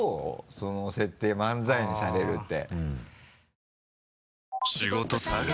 その設定漫才にされるって。